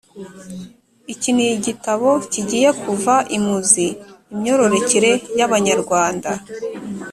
Iki ni igitabo kigiye kuva imuzi imyororokere y’Abanyarwanda